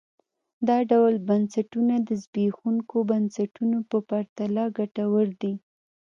دا ډول بنسټونه د زبېښونکو بنسټونو په پرتله ګټور دي.